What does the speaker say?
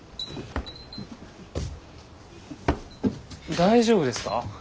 大丈夫ですか？